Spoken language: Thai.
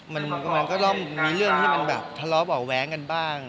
มันก็เริ่มมีเรื่องที่มันแบบทะเลาะเบาะแว้งกันบ้าง